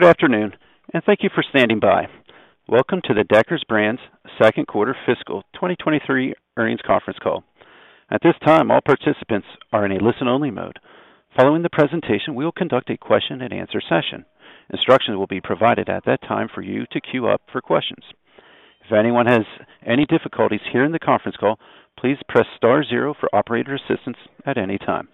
Good afternoon, and thank you for standing by. Welcome to the Deckers Brands Q2 fiscal 2023 earnings conference call. At this time, all participants are in a listen-only mode. Following the presentation, we will conduct a question-and-answer session. Instructions will be provided at that time for you to queue up for questions. If anyone has any difficulties hearing the conference call, please press star zero for operator assistance at any time.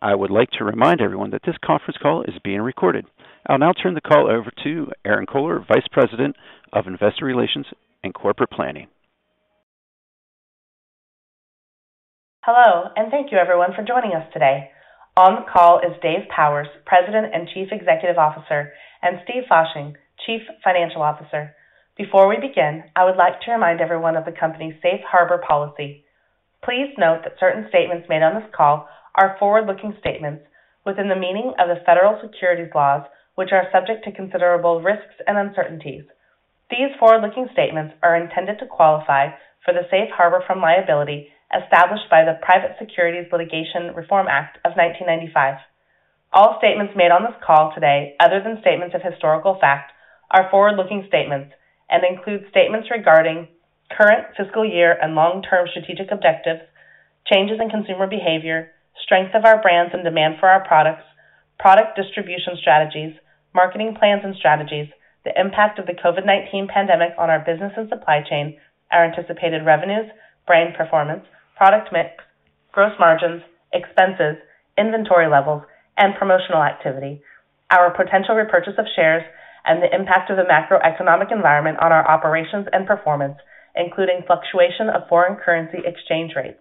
I would like to remind everyone that this conference call is being recorded. I'll now turn the call over to Erinn Kohler, Vice President of Investor Relations and Corporate Planning. Hello, and thank you everyone for joining us today. On the call is Dave Powers, President and Chief Executive Officer, and Steve Fasching, Chief Financial Officer. Before we begin, I would like to remind everyone of the company's safe harbor policy. Please note that certain statements made on this call are forward-looking statements within the meaning of the federal securities laws, which are subject to considerable risks and uncertainties. These forward-looking statements are intended to qualify for the safe harbor from liability established by the Private Securities Litigation Reform Act of 1995. All statements made on this call today, other than statements of historical fact, are forward-looking statements and include statements regarding current fiscal year and long-term strategic objectives, changes in consumer behavior, strength of our brands and demand for our products, product distribution strategies, marketing plans and strategies, the impact of the COVID-19 pandemic on our business and supply chain, our anticipated revenues, brand performance, product mix, gross margins, expenses, inventory levels, and promotional activity, our potential repurchase of shares, and the impact of the macroeconomic environment on our operations and performance, including fluctuation of foreign currency exchange rates.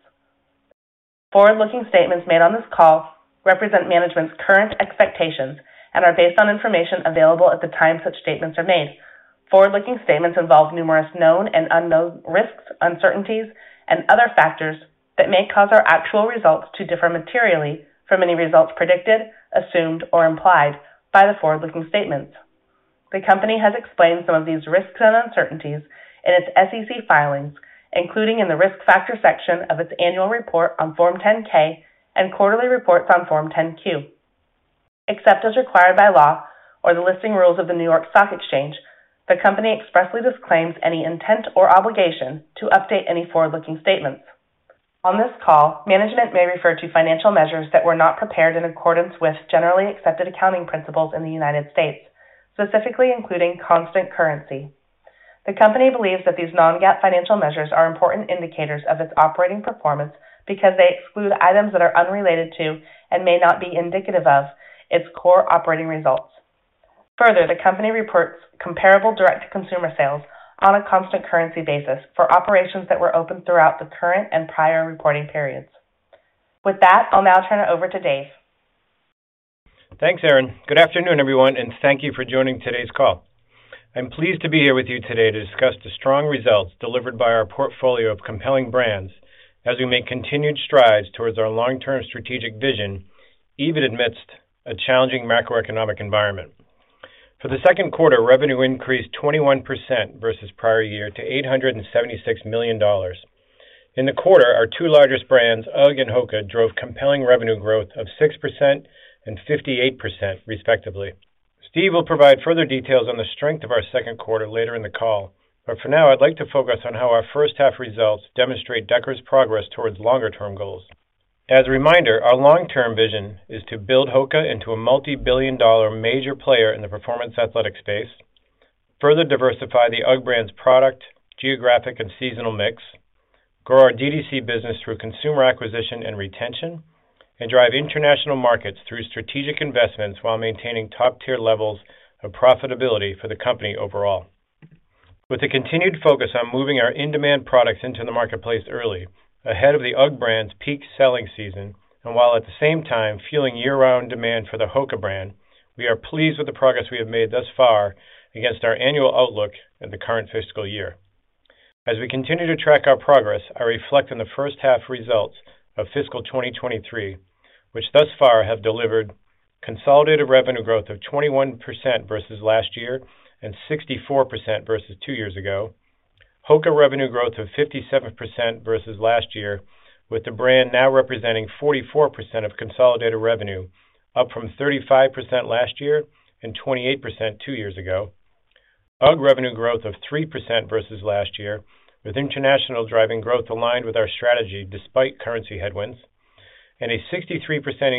Forward-looking statements made on this call represent management's current expectations and are based on information available at the time such statements are made. Forward-looking statements involve numerous known and unknown risks, uncertainties, and other factors that may cause our actual results to differ materially from any results predicted, assumed or implied by the forward-looking statements. The company has explained some of these risks and uncertainties in its SEC filings, including in the Risk Factors section of its annual report on Form 10-K and quarterly reports on Form 10-Q. Except as required by law or the listing rules of the New York Stock Exchange, the company expressly disclaims any intent or obligation to update any forward-looking statements. On this call, management may refer to financial measures that were not prepared in accordance with generally accepted accounting principles in the United States, specifically including constant currency. The company believes that these non-GAAP financial measures are important indicators of its operating performance because they exclude items that are unrelated to and may not be indicative of its core operating results. Further, the company reports comparable direct-to-consumer sales on a constant currency basis for operations that were open throughout the current and prior reporting periods. With that, I'll now turn it over to Dave. Thanks, Erinn. Good afternoon, everyone, and thank you for joining today's call. I'm pleased to be here with you today to discuss the strong results delivered by our portfolio of compelling brands as we make continued strides towards our long-term strategic vision, even amidst a challenging macroeconomic environment. For the Q2, revenue increased 21% versus prior year to $876 million. In the quarter, our two largest brands, UGG and HOKA, drove compelling revenue growth of 6% and 58% respectively. Steven will provide further details on the strength of our Q2 later in the call. For now, I'd like to focus on how our first half results demonstrate Deckers' progress towards longer-term goals. As a reminder, our long-term vision is to build HOKA into a multi-billion dollar major player in the performance athletic space, further diversify the UGG brand's product, geographic and seasonal mix, grow our DTC business through consumer acquisition and retention, and drive international markets through strategic investments while maintaining top-tier levels of profitability for the company overall. With a continued focus on moving our in-demand products into the marketplace early, ahead of the UGG brand's peak selling season, and while at the same time fueling year-round demand for the HOKA brand, we are pleased with the progress we have made thus far against our annual outlook in the current fiscal year. As we continue to track our progress, I reflect on the first half results of fiscal 2023, which thus far have delivered consolidated revenue growth of 21% versus last year and 64% versus two years ago. HOKA revenue growth of 57% versus last year, with the brand now representing 44% of consolidated revenue, up from 35% last year and 28% two years ago. UGG revenue growth of 3% versus last year, with international driving growth aligned with our strategy despite currency headwinds, and a 63%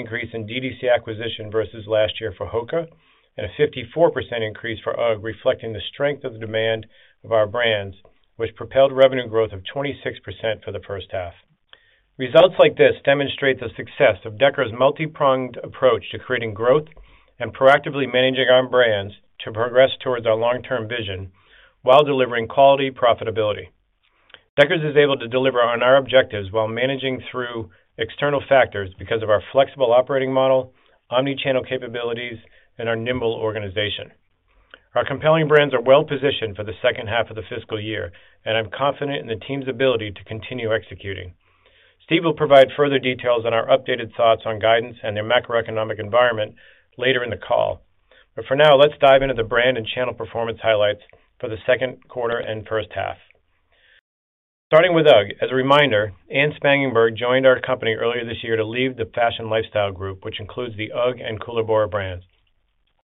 increase in DTC acquisition versus last year for HOKA, and a 54% increase for UGG reflecting the strength of the demand of our brands, which propelled revenue growth of 26% for the first half. Results like this demonstrate the success of Deckers multi-pronged approach to creating growth and proactively managing our brands to progress towards our long-term vision while delivering quality profitability. Deckers is able to deliver on our objectives while managing through external factors because of our flexible operating model, omni-channel capabilities, and our nimble organization. Our compelling brands are well-positioned for the second half of the fiscal year, and I'm confident in the team's ability to continue executing. Steve will provide further details on our updated thoughts on guidance and the macroeconomic environment later in the call. For now, let's dive into the brand and channel performance highlights for the Q2 and first half. Starting with UGG. As a reminder, Anne Spangenberg joined our company earlier this year to lead the Fashion Lifestyle group, which includes the UGG and Koolaburra brands.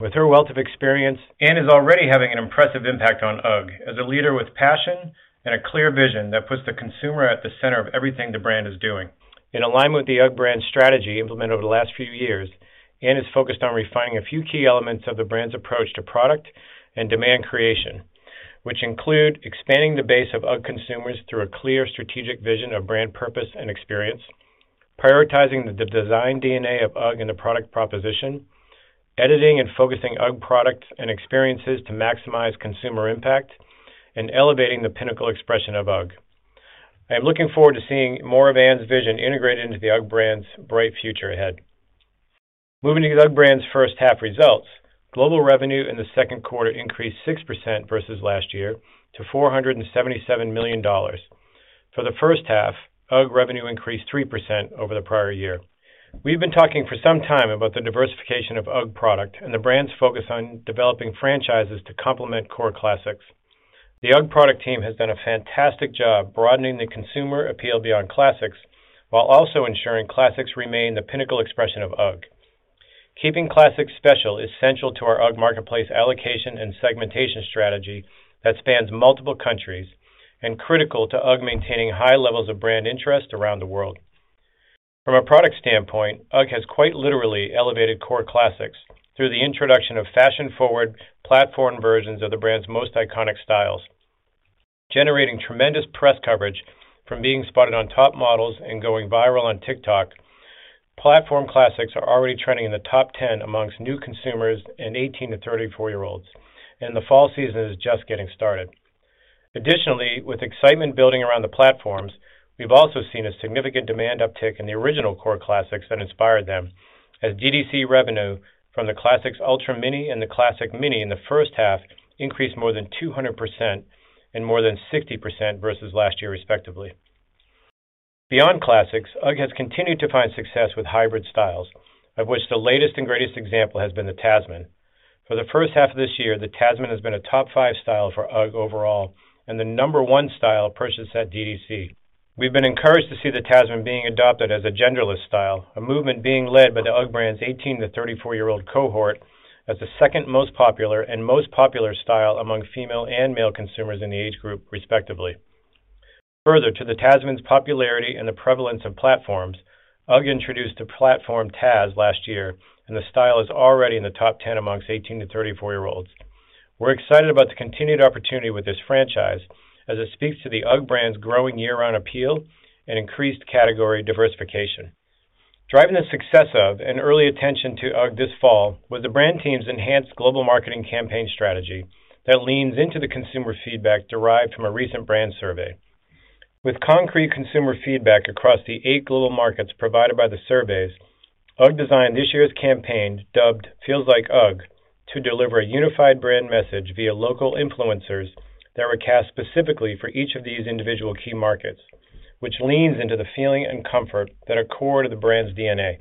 With her wealth of experience, Anne is already having an impressive impact on UGG as a leader with passion and a clear vision that puts the consumer at the center of everything the brand is doing. In alignment with the UGG brand strategy implemented over the last few years, Anne is focused on refining a few key elements of the brand's approach to product and demand creation, which include expanding the base of UGG consumers through a clear strategic vision of brand purpose and experience, prioritizing the design DNA of UGG in the product proposition, editing and focusing UGG products and experiences to maximize consumer impact, and elevating the pinnacle expression of UGG. I am looking forward to seeing more of Anne's vision integrated into the UGG brand's bright future ahead. Moving to the UGG brand's first half results. Global revenue in the Q2 increased 6% versus last year to $477 million. For the first half, UGG revenue increased 3% over the prior year. We've been talking for some time about the diversification of UGG product and the brand's focus on developing franchises to complement core classics. The UGG product team has done a fantastic job broadening the consumer appeal beyond classics while also ensuring classics remain the pinnacle expression of UGG. Keeping classics special is central to our UGG marketplace allocation and segmentation strategy that spans multiple countries and critical to UGG maintaining high levels of brand interest around the world. From a product standpoint, UGG has quite literally elevated core classics through the introduction of fashion-forward platform versions of the brand's most iconic styles. Generating tremendous press coverage from being spotted on top models and going viral on TikTok, platform classics are already trending in the top 10 amongst new consumers in 18-34-year-olds, and the fall season is just getting started. Additionally, with excitement building around the platforms, we've also seen a significant demand uptick in the original core classics that inspired them as DTC revenue from the Classic Ultra Mini and the Classic Mini in the first half increased more than 200% and more than 60% versus last year, respectively. Beyond classics, UGG has continued to find success with hybrid styles, of which the latest and greatest example has been the Tasman. For the first half of this year, the Tasman has been a top 5 style for UGG overall and the number 1 style purchased at DTC. We've been encouraged to see the Tasman being adopted as a genderless style, a movement being led by the UGG brand's 18- to 34-year-old cohort as the second most popular and most popular style among female and male consumers in the age group, respectively. Further to the Tasman's popularity and the prevalence of platforms, UGG introduced a platform Tasman last year, and the style is already in the top 10 among 18- to 34-year-olds. We're excited about the continued opportunity with this franchise as it speaks to the UGG brand's growing year-round appeal and increased category diversification. Driving the success of an early attention to UGG this fall with the brand team's enhanced global marketing campaign strategy that leans into the consumer feedback derived from a recent brand survey. With concrete consumer feedback across the 8 global markets provided by the surveys, UGG designed this year's campaign dubbed Feels Like UGG to deliver a unified brand message via local influencers that were cast specifically for each of these individual key markets, which leans into the feeling and comfort that are core to the brand's DNA.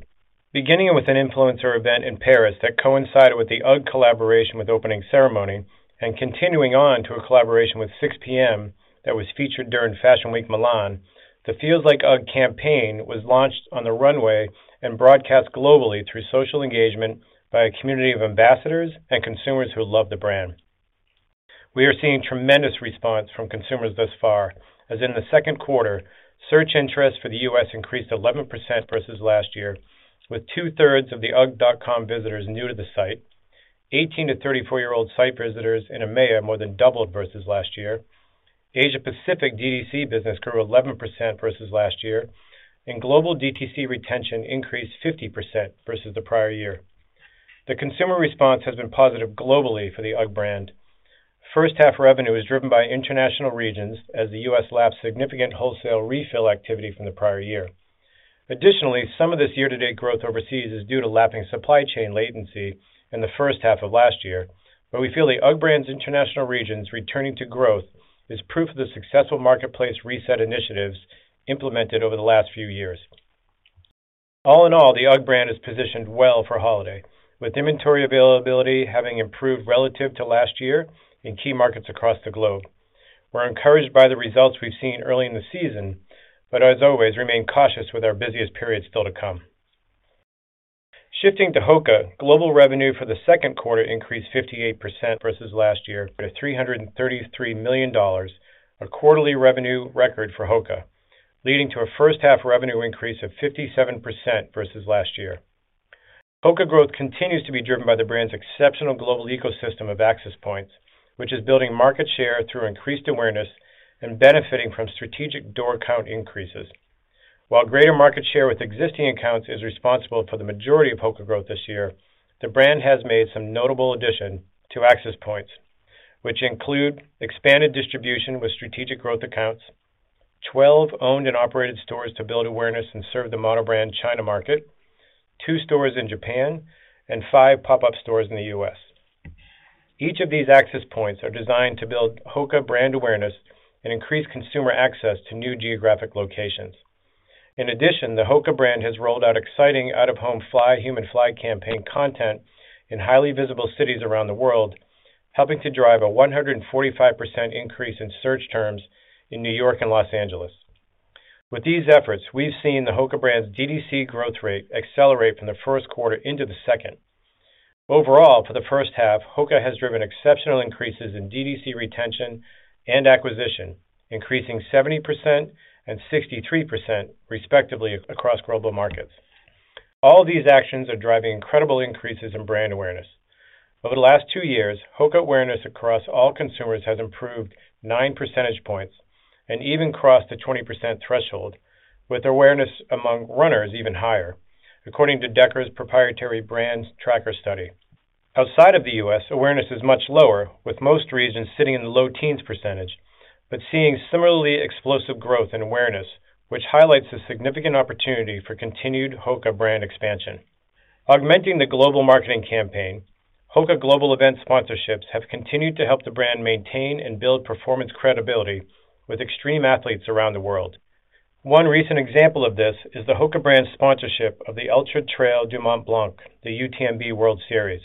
Beginning with an influencer event in Paris that coincided with the UGG collaboration with Opening Ceremony and continuing on to a collaboration with 6PM that was featured during Fashion Week Milan, the Feels Like UGG campaign was launched on the runway and broadcast globally through social engagement by a community of ambassadors and consumers who love the brand. We are seeing tremendous response from consumers thus far, as in the Q2, search interest for the U.S. increased 11% versus last year, with two-thirds of the ugg.com visitors new to the site. 18- to 34-year-old site visitors in EMEA more than doubled versus last year. Asia-Pacific DTC business grew 11% versus last year, and global DTC retention increased 50% versus the prior year. The consumer response has been positive globally for the UGG brand. First-half revenue is driven by international regions as the U.S. laps significant wholesale refill activity from the prior year. Additionally, some of this year-to-date growth overseas is due to lapping supply chain latency in the first half of last year. We feel the UGG brand's international regions returning to growth is proof of the successful marketplace reset initiatives implemented over the last few years. All in all, the UGG brand is positioned well for holiday, with inventory availability having improved relative to last year in key markets across the globe. We're encouraged by the results we've seen early in the season, but as always, remain cautious with our busiest periods still to come. Shifting to HOKA, global revenue for the Q2 increased 58% versus last year to $333 million, a quarterly revenue record for HOKA, leading to a first-half revenue increase of 57% versus last year. HOKA growth continues to be driven by the brand's exceptional global ecosystem of access points, which is building market share through increased awareness and benefiting from strategic door count increases. While greater market share with existing accounts is responsible for the majority of HOKA growth this year, the brand has made some notable addition to access points which include expanded distribution with strategic growth accounts, 12 owned and operated stores to build awareness and serve the monobrand China market, 2 stores in Japan, and 5 pop-up stores in the US. Each of these access points are designed to build HOKA brand awareness and increase consumer access to new geographic locations. In addition, the HOKA brand has rolled out exciting out-of-home FLY HUMAN FLY campaign content in highly visible cities around the world, helping to drive a 145% increase in search terms in New York and Los Angeles. With these efforts, we've seen the HOKA brand's DTC growth rate accelerate from the Q1 into the second. Overall, for the first half, HOKA has driven exceptional increases in DTC retention and acquisition, increasing 70% and 63% respectively across global markets. All these actions are driving incredible increases in brand awareness. Over the last two years, HOKA awareness across all consumers has improved nine percentage points and even crossed the 20% threshold, with awareness among runners even higher, according to Deckers' proprietary brands tracker study. Outside of the US, awareness is much lower, with most regions sitting in the low teens%, but seeing similarly explosive growth in awareness, which highlights the significant opportunity for continued HOKA brand expansion. Augmenting the global marketing campaign, HOKA global event sponsorships have continued to help the brand maintain and build performance credibility with extreme athletes around the world. One recent example of this is the HOKA brand sponsorship of the Ultra-Trail du Mont-Blanc, the UTMB World Series.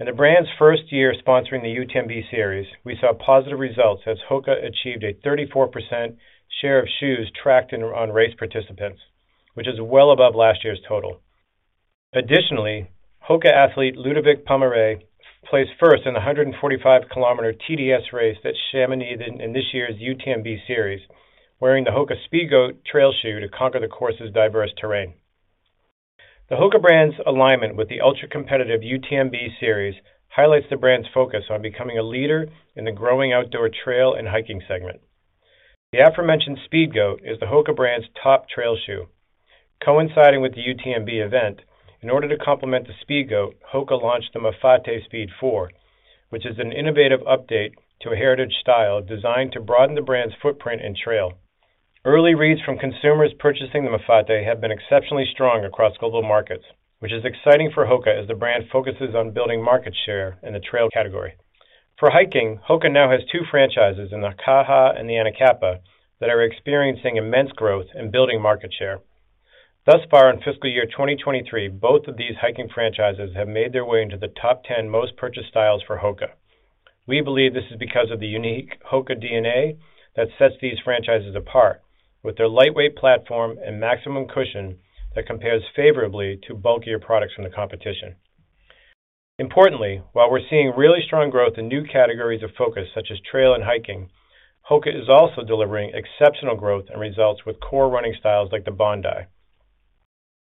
In the brand's first year sponsoring the UTMB series, we saw positive results as HOKA achieved a 34% share of shoes tracked in on race participants, which is well above last year's total. Additionally, HOKA athlete Ludovic Pommeret placed first in the 145-kilometer TDS race in Chamonix in this year's UTMB series, wearing the HOKA Speedgoat trail shoe to conquer the course's diverse terrain. The HOKA brand's alignment with the ultra-competitive UTMB series highlights the brand's focus on becoming a leader in the growing outdoor trail and hiking segment. The aforementioned Speedgoat is the HOKA brand's top trail shoe. Coinciding with the UTMB event, in order to complement the Speedgoat, HOKA launched the Mafate Speed 4, which is an innovative update to a heritage style designed to broaden the brand's footprint in trail. Early reads from consumers purchasing the Mafate have been exceptionally strong across global markets, which is exciting for HOKA as the brand focuses on building market share in the trail category. For hiking, HOKA now has two franchises in the Kaha and the Anacapa that are experiencing immense growth in building market share. Thus far in fiscal year 2023, both of these hiking franchises have made their way into the top 10 most purchased styles for HOKA. We believe this is because of the unique HOKA DNA that sets these franchises apart with their lightweight platform and maximum cushion that compares favorably to bulkier products from the competition. Importantly, while we're seeing really strong growth in new categories of focus such as trail and hiking, HOKA is also delivering exceptional growth and results with core running styles like the Bondi.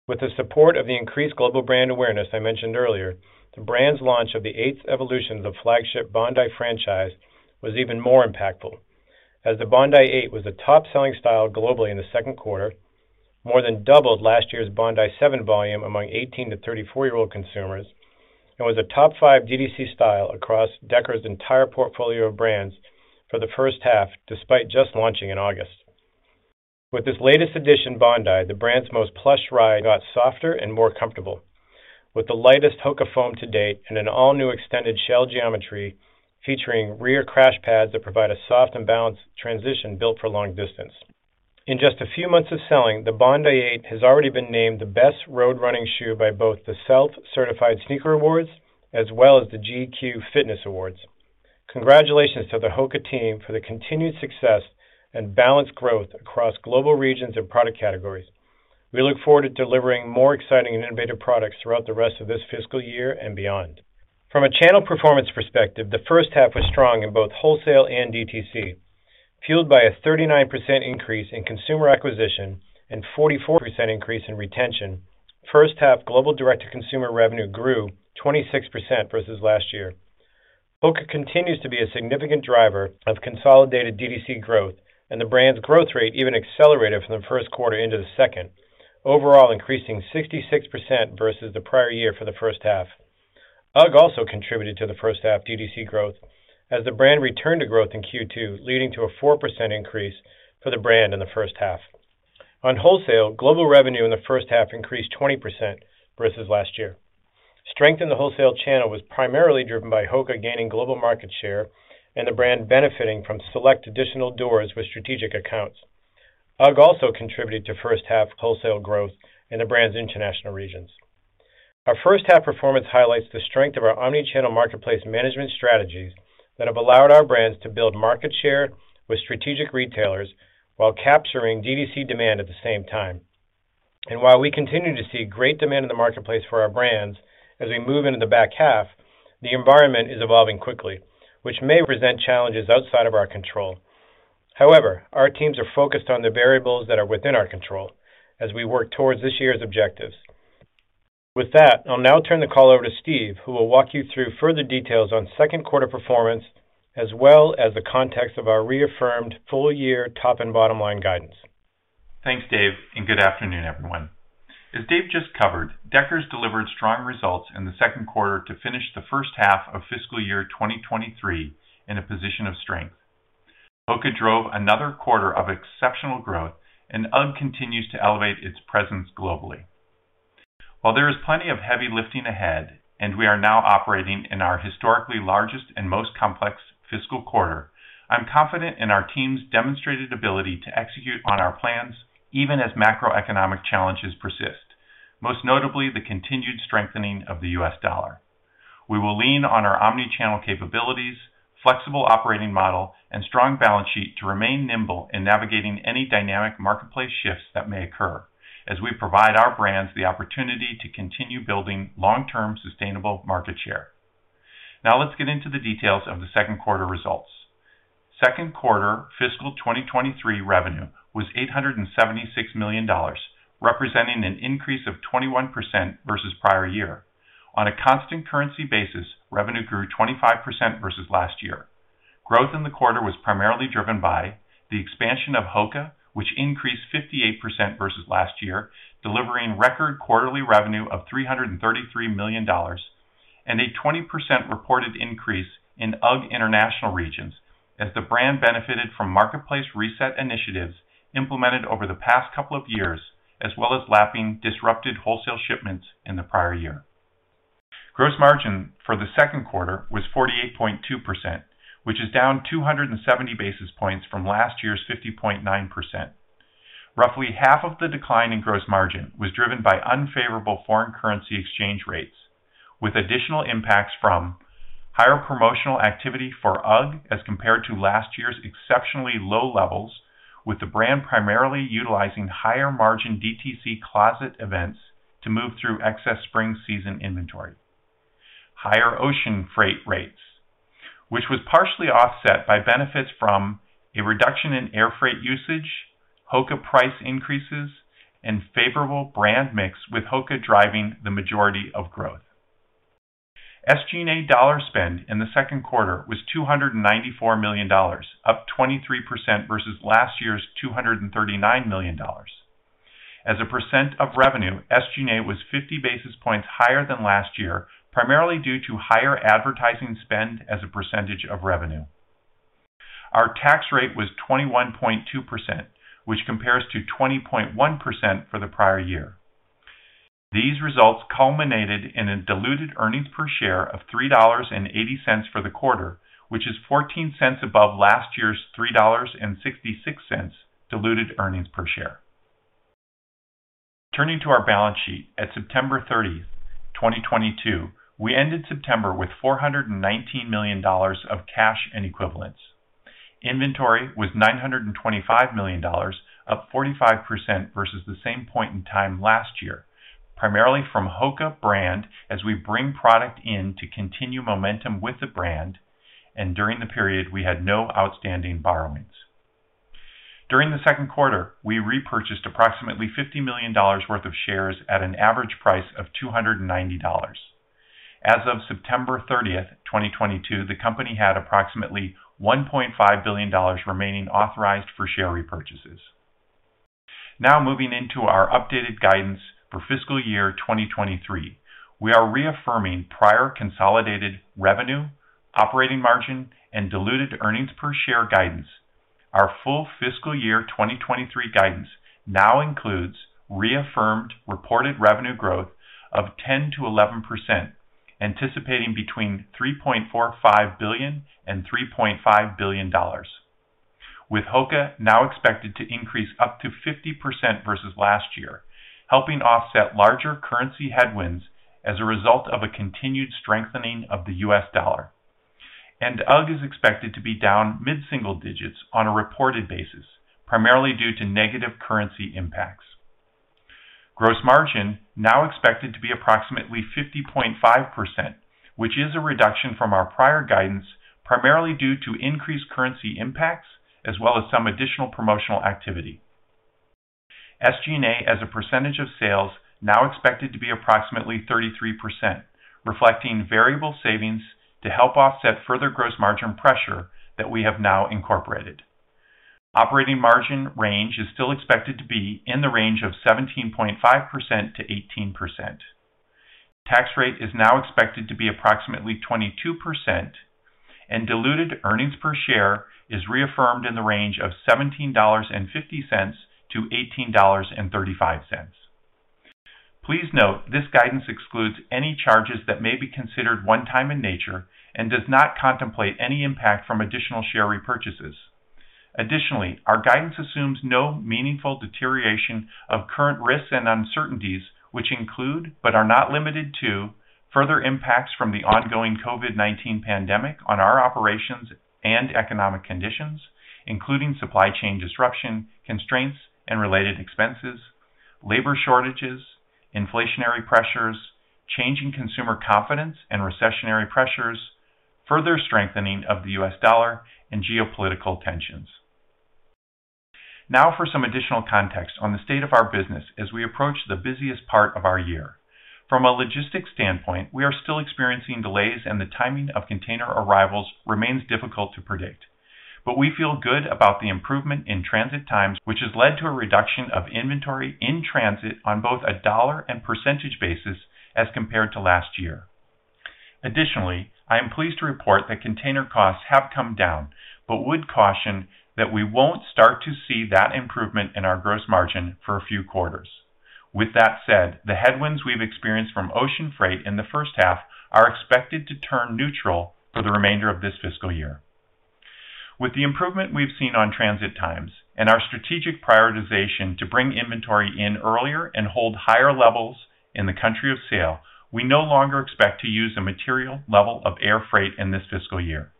With the support of the increased global brand awareness I mentioned earlier, the brand's launch of the eighth evolution of the flagship Bondi franchise was even more impactful as the Bondi 8 was the top-selling style globally in the Q2, more than doubled last year's Bondi 7 volume among 18- to 34-year-old consumers, and was a top five DTC style across Deckers' entire portfolio of brands for the first half, despite just launching in August. With this latest edition Bondi, the brand's most plush ride got softer and more comfortable with the lightest HOKA foam to date and an all-new extended shell geometry featuring rear crash pads that provide a soft and balanced transition built for long distance. In just a few months of selling, the Bondi Eight has already been named the best road running shoe by both the SELF Certified Sneaker Awards as well as the GQ Fitness Awards. Congratulations to the HOKA team for the continued success and balanced growth across global regions and product categories. We look forward to delivering more exciting and innovative products throughout the rest of this fiscal year and beyond. From a channel performance perspective, the first half was strong in both wholesale and DTC. Fueled by a 39% increase in consumer acquisition and 44% increase in retention, first half global direct-to-consumer revenue grew 26% versus last year. HOKA continues to be a significant driver of consolidated DTC growth, and the brand's growth rate even accelerated from the Q1 into the second, overall increasing 66% versus the prior year for the first half. UGG also contributed to the first half DTC growth as the brand returned to growth in Q2, leading to a 4% increase for the brand in the first half. On wholesale, global revenue in the first half increased 20% versus last year. Strength in the wholesale channel was primarily driven by HOKA gaining global market share and the brand benefiting from select additional doors with strategic accounts. UGG also contributed to first half wholesale growth in the brand's international regions. Our first half performance highlights the strength of our omni-channel marketplace management strategies that have allowed our brands to build market share with strategic retailers while capturing DTC demand at the same time. While we continue to see great demand in the marketplace for our brands as we move into the back half, the environment is evolving quickly, which may present challenges outside of our control. However, our teams are focused on the variables that are within our control as we work towards this year's objectives. With that, I'll now turn the call over to Steve, who will walk you through further details on Q2 performance, as well as the context of our reaffirmed full year top and bottom line guidance. Thanks, Dave, and good afternoon, everyone. As Dave just covered, Deckers delivered strong results in the Q2 to finish the first half of fiscal year 2023 in a position of strength. HOKA drove another quarter of exceptional growth, and UGG continues to elevate its presence globally. While there is plenty of heavy lifting ahead, and we are now operating in our historically largest and most complex fiscal quarter, I'm confident in our team's demonstrated ability to execute on our plans even as macroeconomic challenges persist. Most notably, the continued strengthening of the US dollar. We will lean on our omni-channel capabilities, flexible operating model, and strong balance sheet to remain nimble in navigating any dynamic marketplace shifts that may occur as we provide our brands the opportunity to continue building long-term sustainable market share. Now let's get into the details of the Q2 results. Q2 fiscal 2023 revenue was $876 million, representing an increase of 21% versus prior year. On a constant currency basis, revenue grew 25% versus last year. Growth in the quarter was primarily driven by the expansion of HOKA, which increased 58% versus last year, delivering record quarterly revenue of $333 million and a 20% reported increase in UGG international regions as the brand benefited from marketplace reset initiatives implemented over the past couple of years, as well as lapping disrupted wholesale shipments in the prior year. Gross margin for the Q2 was 48.2%, which is down 270 basis points from last year's 50.9%. Roughly half of the decline in gross margin was driven by unfavorable foreign currency exchange rates, with additional impacts from higher promotional activity for UGG as compared to last year's exceptionally low levels, with the brand primarily utilizing higher margin DTC closet events to move through excess spring season inventory. Higher ocean freight rates, which was partially offset by benefits from a reduction in air freight usage, HOKA price increases, and favorable brand mix with HOKA driving the majority of growth. SG&A dollar spend in the Q2 was $294 million, up 23% versus last year's $239 million. As a percent of revenue, SG&A was 50 basis points higher than last year, primarily due to higher advertising spend as a percentage of revenue. Our tax rate was 21.2%, which compares to 20.1% for the prior year. These results culminated in a diluted earnings per share of $3.80 for the quarter, which is $0.14 above last year's $3.66 diluted earnings per share. Turning to our balance sheet. At September 30, 2022, we ended September with $419 million of cash and equivalents. Inventory was $925 million, up 45% versus the same point in time last year. Primarily from HOKA brand as we bring product in to continue momentum with the brand. During the period, we had no outstanding borrowings. During the Q2, we repurchased approximately $50 million worth of shares at an average price of $290. As of September 30, 2022, the company had approximately $1.5 billion remaining authorized for share repurchases. Now moving into our updated guidance for fiscal year 2023. We are reaffirming prior consolidated revenue, operating margin, and diluted earnings per share guidance. Our full fiscal year 2023 guidance now includes reaffirmed reported revenue growth of 10%-11%, anticipating between $3.45 billion and $3.5 billion, with HOKA now expected to increase up to 50% versus last year, helping offset larger currency headwinds as a result of a continued strengthening of the US dollar. UGG is expected to be down mid-single digits on a reported basis, primarily due to negative currency impacts. Gross margin now expected to be approximately 50.5%, which is a reduction from our prior guidance, primarily due to increased currency impacts as well as some additional promotional activity. SG&A as a percentage of sales now expected to be approximately 33%, reflecting variable savings to help offset further gross margin pressure that we have now incorporated. Operating margin range is still expected to be in the range of 17.5%-18%. Tax rate is now expected to be approximately 22%, and diluted earnings per share is reaffirmed in the range of $17.50-$18.35. Please note this guidance excludes any charges that may be considered one-time in nature and does not contemplate any impact from additional share repurchases. Additionally, our guidance assumes no meaningful deterioration of current risks and uncertainties, which include but are not limited to further impacts from the ongoing COVID-19 pandemic on our operations and economic conditions, including supply chain disruption, constraints, and related expenses, labor shortages, inflationary pressures, changing consumer confidence and recessionary pressures, further strengthening of the US dollar and geopolitical tensions. Now for some additional context on the state of our business as we approach the busiest part of our year. From a logistics standpoint, we are still experiencing delays and the timing of container arrivals remains difficult to predict. We feel good about the improvement in transit times, which has led to a reduction of inventory in transit on both a dollar and percentage basis as compared to last year. Additionally, I am pleased to report that container costs have come down, but would caution that we won't start to see that improvement in our gross margin for a few quarters. With that said, the headwinds we've experienced from ocean freight in the first half are expected to turn neutral for the remainder of this fiscal year. With the improvement we've seen on transit times and our strategic prioritization to bring inventory in earlier and hold higher levels in the country of sale, we no longer expect to use a material level of air freight in this fiscal year.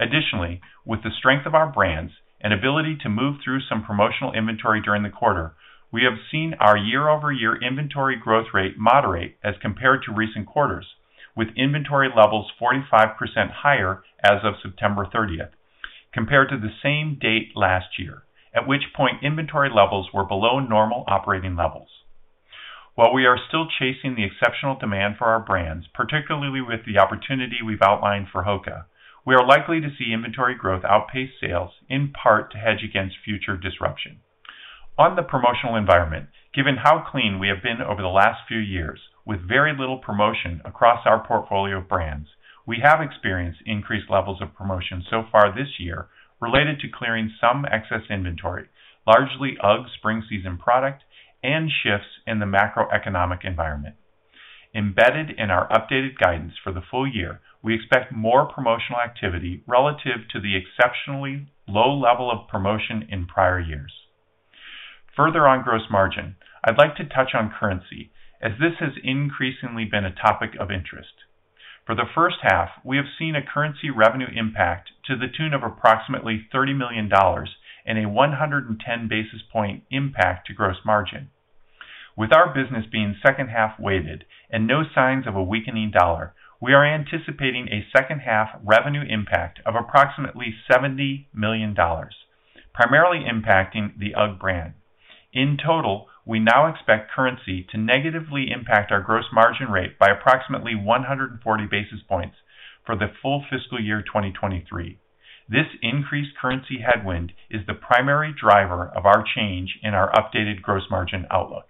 Additionally, with the strength of our brands and ability to move through some promotional inventory during the quarter, we have seen our year-over-year inventory growth rate moderate as compared to recent quarters, with inventory levels 45% higher as of September 30th compared to the same date last year, at which point inventory levels were below normal operating levels. While we are still chasing the exceptional demand for our brands, particularly with the opportunity we've outlined for HOKA, we are likely to see inventory growth outpace sales in part to hedge against future disruption. On the promotional environment, given how clean we have been over the last few years with very little promotion across our portfolio of brands, we have experienced increased levels of promotion so far this year related to clearing some excess inventory, largely UGG spring season product and shifts in the macroeconomic environment. Embedded in our updated guidance for the full year, we expect more promotional activity relative to the exceptionally low level of promotion in prior years. Further on gross margin, I'd like to touch on currency as this has increasingly been a topic of interest. For the first half, we have seen a currency revenue impact to the tune of approximately $30 million and a 110 basis point impact to gross margin. With our business being second half-weighted and no signs of a weakening dollar, we are anticipating a second half revenue impact of approximately $70 million, primarily impacting the UGG brand. In total, we now expect currency to negatively impact our gross margin rate by approximately 140 basis points for the full fiscal year 2023. This increased currency headwind is the primary driver of our change in our updated gross margin outlook.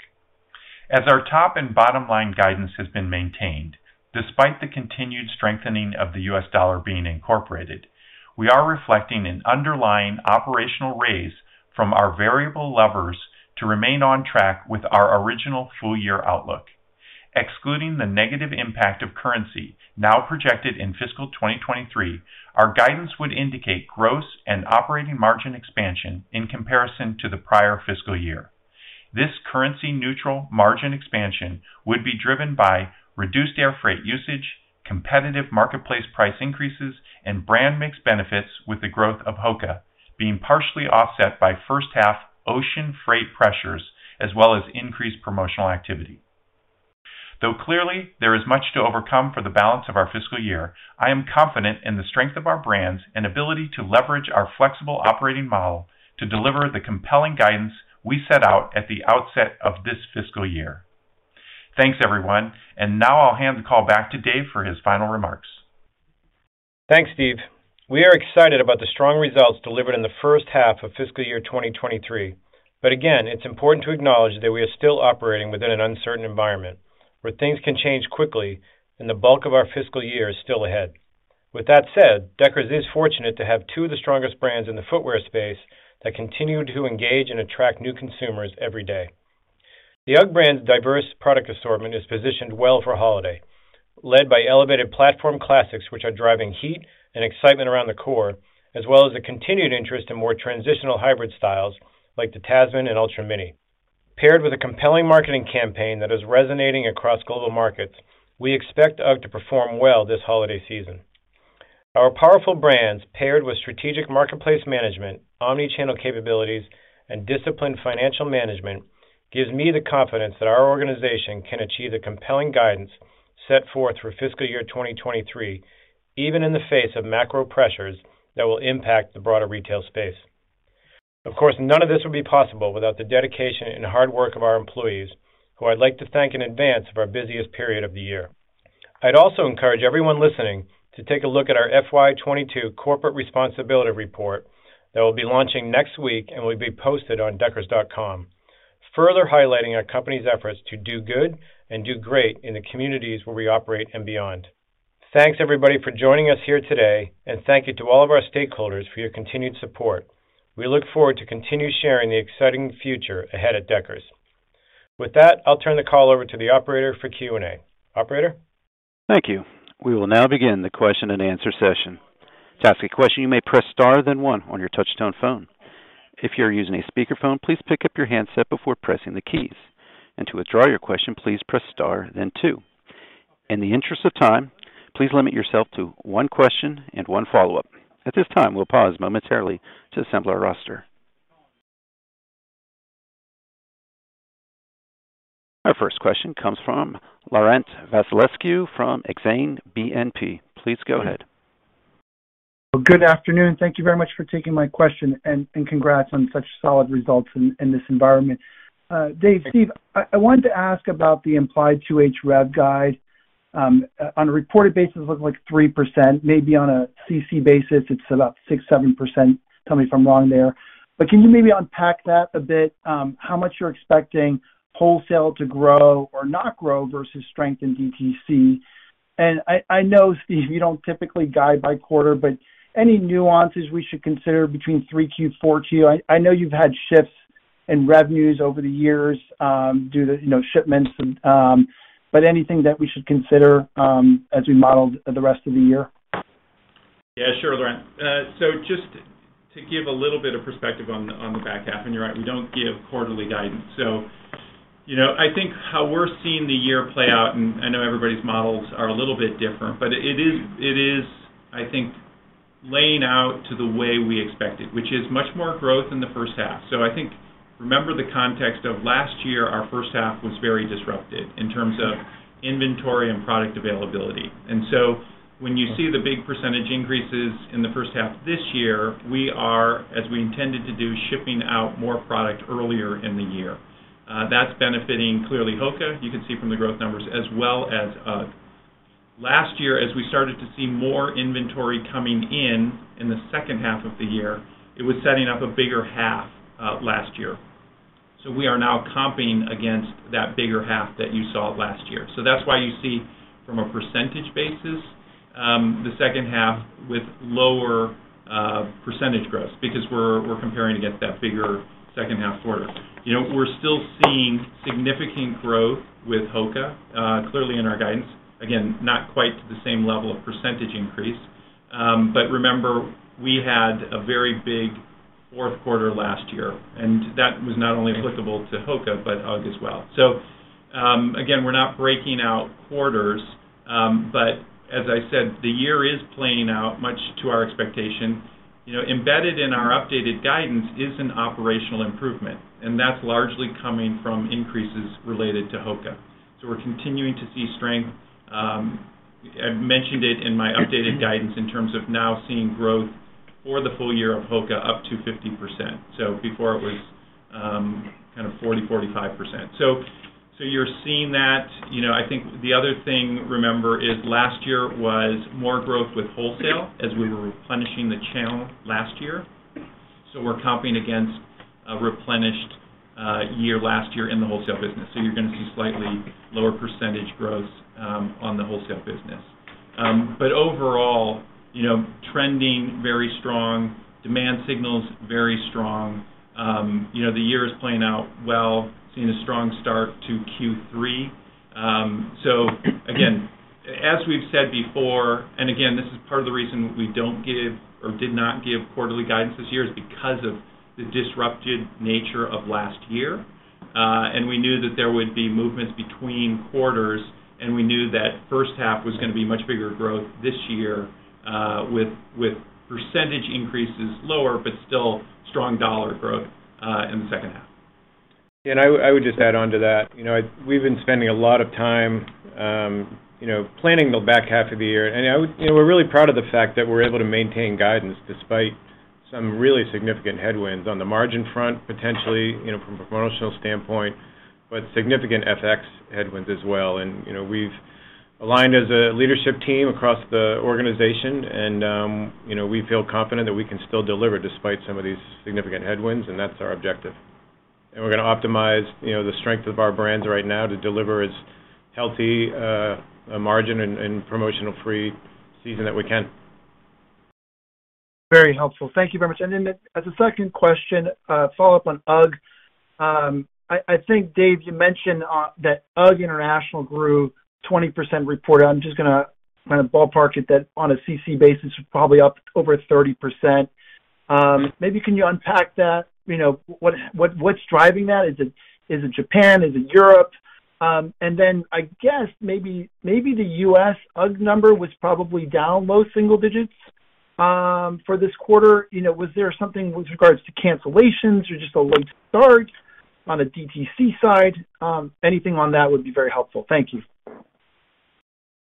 As our top and bottom line guidance has been maintained despite the continued strengthening of the US dollar being incorporated, we are reflecting an underlying operational raise from our variable levers to remain on track with our original full year outlook. Excluding the negative impact of currency now projected in fiscal 2023, our guidance would indicate gross and operating margin expansion in comparison to the prior fiscal year. This currency neutral margin expansion would be driven by reduced air freight usage, competitive marketplace price increases, and brand mix benefits with the growth of HOKA being partially offset by first half ocean freight pressures as well as increased promotional activity. Though clearly there is much to overcome for the balance of our fiscal year, I am confident in the strength of our brands and ability to leverage our flexible operating model to deliver the compelling guidance we set out at the outset of this fiscal year. Thanks, everyone. Now I'll hand the call back to Dave for his final remarks. Thanks, Steve. We are excited about the strong results delivered in the first half of fiscal year 2023. Again, it's important to acknowledge that we are still operating within an uncertain environment where things can change quickly and the bulk of our fiscal year is still ahead. With that said, Deckers is fortunate to have two of the strongest brands in the footwear space that continue to engage and attract new consumers every day. The UGG brand's diverse product assortment is positioned well for holiday, led by elevated platform classics, which are driving heat and excitement around the core, as well as the continued interest in more transitional hybrid styles like the Tasman and Ultra Mini. Paired with a compelling marketing campaign that is resonating across global markets, we expect UGG to perform well this holiday season. Our powerful brands, paired with strategic marketplace management, omni-channel capabilities, and disciplined financial management, gives me the confidence that our organization can achieve the compelling guidance set forth for fiscal year 2023, even in the face of macro pressures that will impact the broader retail space. Of course, none of this would be possible without the dedication and hard work of our employees, who I'd like to thank in advance of our busiest period of the year. I'd also encourage everyone listening to take a look at our FY 2022 corporate responsibility report that will be launching next week and will be posted on deckers.com, further highlighting our company's efforts to do good and do great in the communities where we operate and beyond. Thanks, everybody, for joining us here today, and thank you to all of our stakeholders for your continued support. We look forward to continue sharing the exciting future ahead at Deckers. With that, I'll turn the call over to the operator for Q&A. Operator? Thank you. We will now begin the question-and-answer session. To ask a question, you may press star then one on your touch-tone phone. If you're using a speakerphone, please pick up your handset before pressing the keys. To withdraw your question, please press star then two. In the interest of time, please limit yourself to one question and one follow-up. At this time, we'll pause momentarily to assemble our roster. Our first question comes from Laurent Vasilescu from Exane BNP Paribas. Please go ahead. Good afternoon. Thank you very much for taking my question and congrats on such solid results in this environment. Dave, Steve, I wanted to ask about the implied 2H rev guide. On a reported basis, looks like 3%, maybe on a CC basis, it's about 6%-7%. Tell me if I'm wrong there. Can you maybe unpack that a bit, how much you're expecting wholesale to grow or not grow versus strength in DTC? I know, Steve, you don't typically guide by quarter, but any nuances we should consider between 3Q, 4Q? I know you've had shifts in revenues over the years, due to you know, shipments and. Anything that we should consider as we model the rest of the year? Yeah, sure, Laurent. So just to give a little bit of perspective on the back half, and you're right, we don't give quarterly guidance. You know, I think how we're seeing the year play out, and I know everybody's models are a little bit different, but it is, I think, laying out to the way we expected, which is much more growth in the first half. I think remember the context of last year, our first half was very disrupted in terms of inventory and product availability. When you see the big percentage increases in the first half this year, we are, as we intended to do, shipping out more product earlier in the year. That's benefiting clearly HOKA, you can see from the growth numbers, as well as UGG. Last year, as we started to see more inventory coming in in the second half of the year, it was setting up a bigger half, last year. We are now comping against that bigger half that you saw last year. That's why you see from a percentage basis, the second half with lower, percentage growth because we're comparing against that bigger second half quarter. You know, we're still seeing significant growth with HOKA, clearly in our guidance. Again, not quite to the same level of percentage increase. Remember, we had a very big Q4 last year, and that was not only applicable to HOKA, but UGG as well. Again, we're not breaking out quarters, but as I said, the year is playing out much to our expectation. You know, embedded in our updated guidance is an operational improvement, and that's largely coming from increases related to HOKA. We're continuing to see strength. I've mentioned it in my updated guidance in terms of now seeing growth for the full year of HOKA up to 50%. Before it was kind of 40%-45%. You're seeing that. You know, I think the other thing, remember, is last year was more growth with wholesale as we were replenishing the channel last year. We're comping against a replenished year last year in the wholesale business. You're gonna see slightly lower percentage growth on the wholesale business. Overall, you know, trending very strong, demand signals very strong. You know, the year is playing out well, seeing a strong start to Q3. Again, as we've said before, and again, this is part of the reason we don't give or did not give quarterly guidance this year is because of the disrupted nature of last year. We knew that there would be movements between quarters, and we knew that first half was gonna be much bigger growth this year, with percentage increases lower but still strong dollar growth in the second half. I would just add on to that. You know, we've been spending a lot of time, you know, planning the back half of the year. You know, we're really proud of the fact that we're able to maintain guidance despite some really significant headwinds on the margin front, potentially, you know, from a promotional standpoint, but significant FX headwinds as well. You know, we've aligned as a leadership team across the organization and, you know, we feel confident that we can still deliver despite some of these significant headwinds, and that's our objective. We're gonna optimize, you know, the strength of our brands right now to deliver as healthy a margin and promotional free season that we can. Very helpful. Thank you very much. As a second question, follow-up on UGG. I think, Dave, you mentioned that UGG International grew 20% reported. I'm just gonna kind of ballpark it that on a CC basis, probably up over 30%. Maybe can you unpack that? You know, what's driving that? Is it Japan? Is it Europe? I guess maybe the US UGG number was probably down low single digits for this quarter. You know, was there something with regards to cancellations or just a late start on the DTC side? Anything on that would be very helpful. Thank you.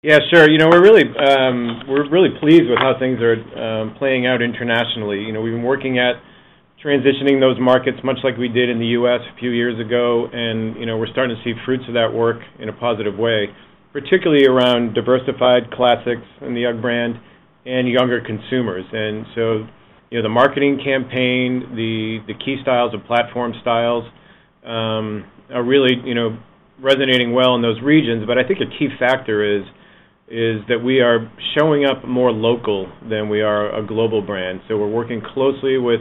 Yeah, sure. You know, we're really pleased with how things are playing out internationally. You know, we've been working at transitioning those markets much like we did in the U.S. a few years ago. You know, we're starting to see fruits of that work in a positive way, particularly around diversified classics in the UGG brand and younger consumers. You know, the marketing campaign, the key styles, the platform styles, are really resonating well in those regions. I think a key factor is that we are showing up more local than we are a global brand. We're working closely with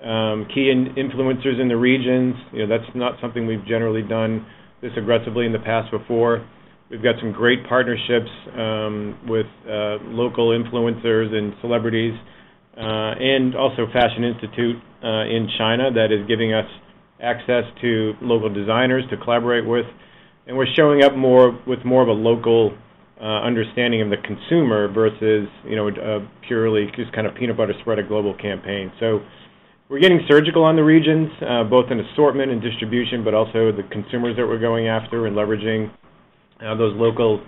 key influencers in the regions. You know, that's not something we've generally done this aggressively in the past before. We've got some great partnerships with local influencers and celebrities and also Fashion Institute in China that is giving us access to local designers to collaborate with. We're showing up more with more of a local understanding of the consumer versus you know a purely just kind of peanut butter spread a global campaign. We're getting surgical on the regions both in assortment and distribution but also the consumers that we're going after and leveraging those local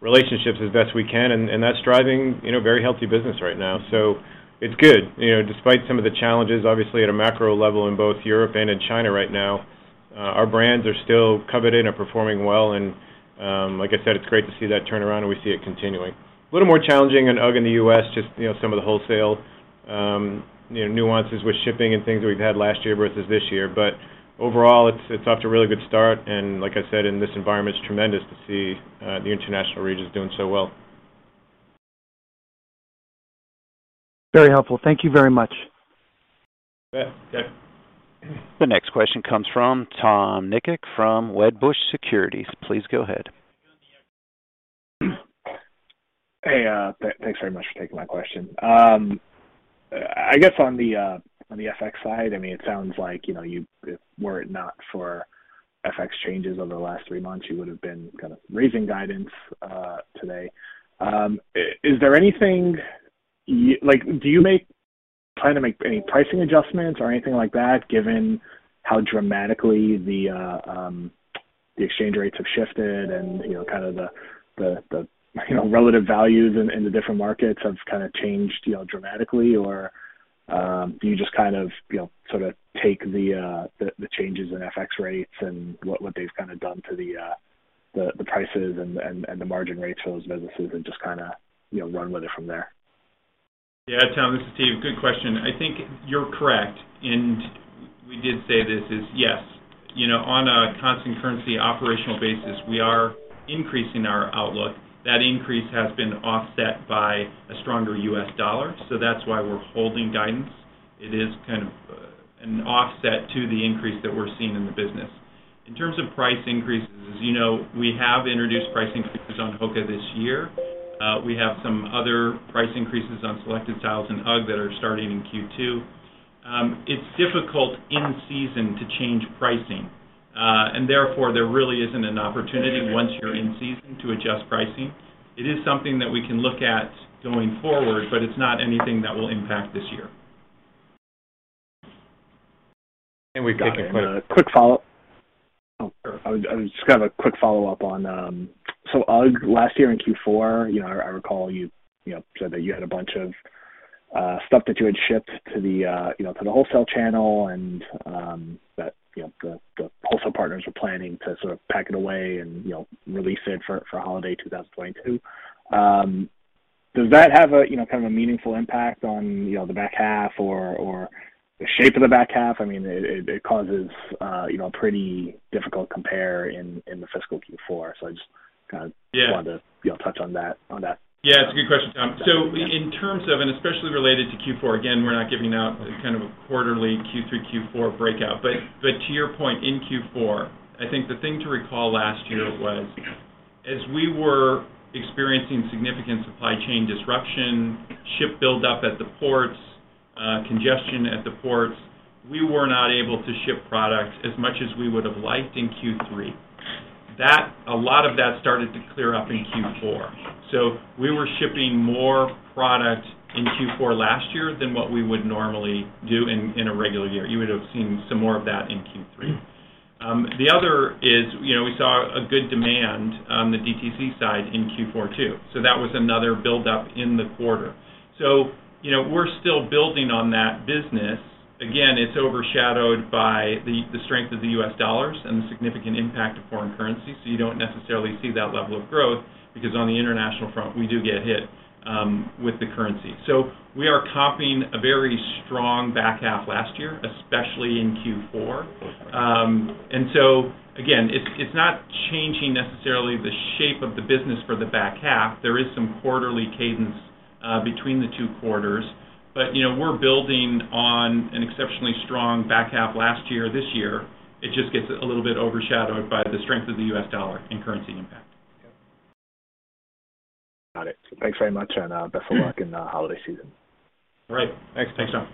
relationships as best we can and that's driving you know very healthy business right now. It's good. You know despite some of the challenges obviously at a macro level in both Europe and in China right now. Our brands are still coveted and are performing well. Like I said, it's great to see that turnaround, and we see it continuing. A little more challenging in UGG in the U.S., just, you know, some of the wholesale, you know, nuances with shipping and things that we've had last year versus this year. Overall, it's off to a really good start. Like I said, in this environment, it's tremendous to see the international regions doing so well. Very helpful. Thank you very much. Yeah. Okay. The next question comes from Tom Nikic from Wedbush Securities. Please go ahead. Hey, thanks very much for taking my question. I guess on the FX side, I mean, it sounds like, you know, you if were it not for FX changes over the last three months, you would have been kind of raising guidance today. Is there anything like, do you plan to make any pricing adjustments or anything like that given how dramatically the exchange rates have shifted and, you know, kind of the relative values in the different markets have kind of changed, you know, dramatically? Do you just kind of, you know, sort of take the changes in FX rates and what they've kind of done to the prices and the margin rates for those businesses and just kinda, you know, run with it from there? Yeah. Tom, this is Steve. Good question. I think you're correct, and we did say this is yes. You know, on a constant currency operational basis, we are increasing our outlook. That increase has been offset by a stronger US dollar, so that's why we're holding guidance. It is kind of an offset to the increase that we're seeing in the business. In terms of price increases, as you know, we have introduced price increases on HOKA this year. We have some other price increases on selected styles in UGG that are starting in Q2. It's difficult in season to change pricing, and therefore there really isn't an opportunity once you're in season to adjust pricing. It is something that we can look at going forward, but it's not anything that will impact this year. We've taken- Got it. I was just kind of a quick follow-up on so UGG last year in Q4, you know, I recall you know, said that you had a bunch of stuff that you had shipped to the, you know, to the wholesale channel and that, you know, the wholesale partners were planning to sort of pack it away and, you know, release it for holiday 2022. Does that have a, you know, kind of a meaningful impact on, you know, the back half or the shape of the back half? I mean, it causes, you know, a pretty difficult compare in the fiscal Q4. I just kind of Yeah. you know, touch on that. Yeah, it's a good question, Tom. In terms of and especially related to Q4, again, we're not giving out kind of a quarterly Q3, Q4 breakout. To your point, in Q4, I think the thing to recall last year was as we were experiencing significant supply chain disruption, shipping buildup at the ports, congestion at the ports, we were not able to ship products as much as we would have liked in Q3. That, a lot of that started to clear up in Q4. We were shipping more product in Q4 last year than what we would normally do in a regular year. You would have seen some more of that in Q3. The other is, you know, we saw a good demand on the DTC side in Q4 too. That was another buildup in the quarter. You know, we're still building on that business. Again, it's overshadowed by the strength of the US dollar and the significant impact of foreign currency. You don't necessarily see that level of growth because on the international front, we do get hit with the currency. We are comparing a very strong back half last year, especially in Q4. Again, it's not changing necessarily the shape of the business for the back half. There is some quarterly cadence between the two quarters. You know, we're building on an exceptionally strong back half last year, this year. It just gets a little bit overshadowed by the strength of the US dollar and currency impact. Got it. Thanks very much, and best of luck in the holiday season. All right. Thanks. Thanks, Tom.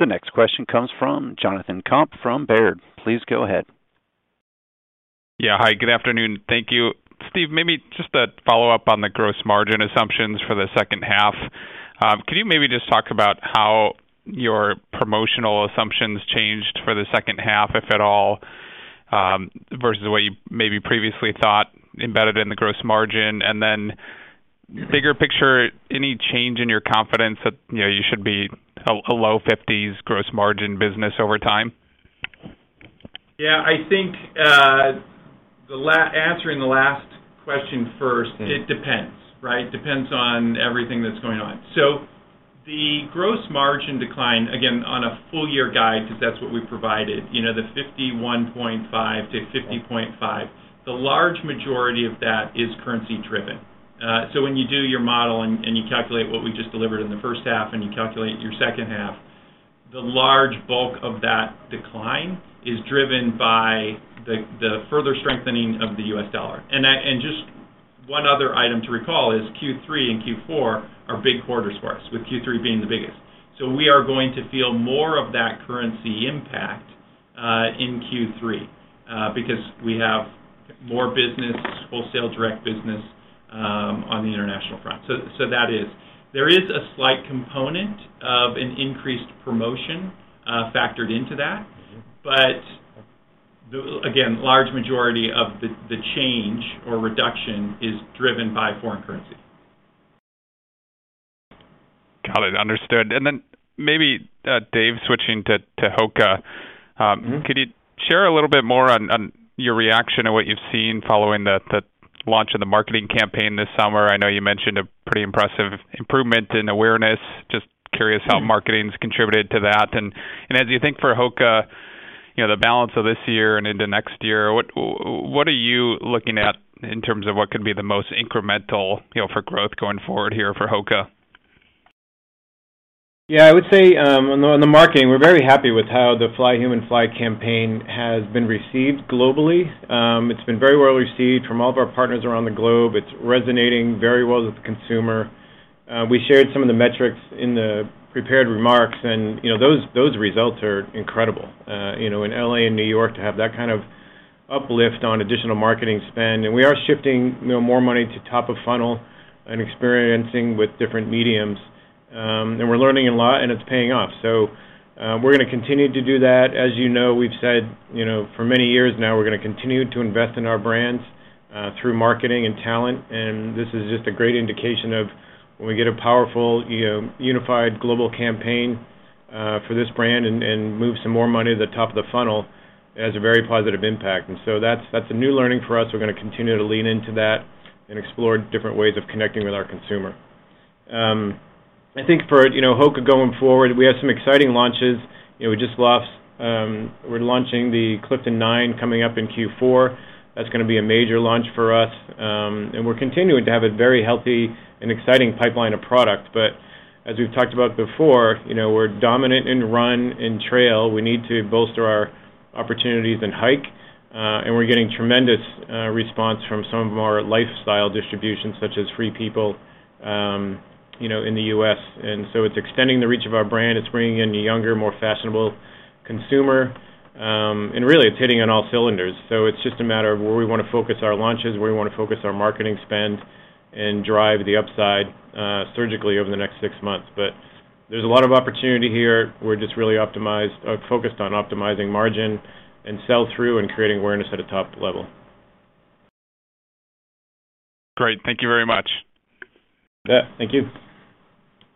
The next question comes from Jonathan Komp from Baird. Please go ahead. Yeah. Hi, good afternoon. Thank you. Steve, maybe just a follow-up on the gross margin assumptions for the second half. Could you maybe just talk about how your promotional assumptions changed for the second half, if at all, versus what you maybe previously thought embedded in the gross margin? Bigger picture, any change in your confidence that, you know, you should be a low 50s% gross margin business over time? I think, answering the last question first, it depends, right? Depends on everything that's going on. The gross margin decline, again, on a full year guide, because that's what we provided, you know, the 51.5%-50.5%, the large majority of that is currency driven. When you do your model and you calculate what we just delivered in the first half and you calculate your second half, the large bulk of that decline is driven by the further strengthening of the US dollar. Just one other item to recall is Q3 and Q4 are big quarters for us, with Q3 being the biggest. We are going to feel more of that currency impact in Q3 because we have more business, wholesale direct business, on the international front. That is. There is a slight component of an increased promotion factored into that. Again, the large majority of the change or reduction is driven by foreign currency. Got it. Understood. Maybe, Dave, switching to HOKA. Could you share a little bit more on your reaction and what you've seen following the launch of the marketing campaign this summer? I know you mentioned a pretty impressive improvement in awareness. Just curious how marketing's contributed to that. As you think for HOKA, you know, the balance of this year and into next year, what are you looking at in terms of what could be the most incremental, you know, for growth going forward here for HOKA? Yeah. I would say on the marketing, we're very happy with how the Fly Human Fly campaign has been received globally. It's been very well received from all of our partners around the globe. It's resonating very well with the consumer. We shared some of the metrics in the prepared remarks and, you know, those results are incredible. You know, in LA and New York to have that kind of uplift on additional marketing spend. We are shifting, you know, more money to top of funnel and experimenting with different mediums. We're learning a lot, and it's paying off. We're gonna continue to do that. As you know, we've said, you know, for many years now, we're gonna continue to invest in our brands through marketing and talent, and this is just a great indication of when we get a powerful, you know, unified global campaign for this brand and move some more money to the top of the funnel, it has a very positive impact. That's a new learning for us. We're gonna continue to lean into that and explore different ways of connecting with our consumer. I think for, you know, HOKA going forward, we have some exciting launches. You know, we're launching the Clifton 9 coming up in Q4. That's gonna be a major launch for us. We're continuing to have a very healthy and exciting pipeline of product. As we've talked about before, you know, we're dominant in run and trail, we need to bolster our opportunities in hike. We're getting tremendous response from some of our lifestyle distributions, such as Free People, you know, in the U.S. It's extending the reach of our brand. It's bringing in a younger, more fashionable consumer. Really it's hitting on all cylinders. It's just a matter of where we wanna focus our launches, where we wanna focus our marketing spend and drive the upside, surgically over the next six months. There's a lot of opportunity here. We're just really optimized or focused on optimizing margin and sell-through and creating awareness at a top level. Great. Thank you very much. Yeah. Thank you.